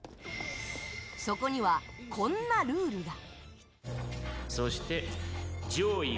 そこには、こんなルールが。